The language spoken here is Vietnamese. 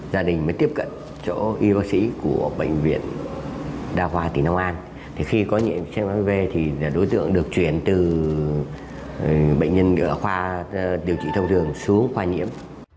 đa khoa tỉnh nông an khi có nhiễm hdv đối tượng được chuyển từ bệnh nhân điều trị thông thường xuống khoa nhiễm